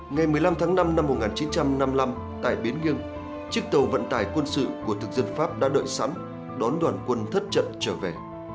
ngày một mươi năm tháng năm năm một nghìn chín trăm năm mươi năm tại bến nghiêng chiếc tàu vận tải quân sự của thực dân pháp đã đợi sẵn đón đoàn quân thất trở về